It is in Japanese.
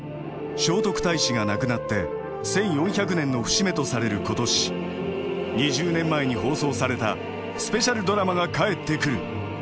聖徳太子が亡くなって１，４００年の節目とされる今年２０年前に放送されたスペシャルドラマが帰ってくる。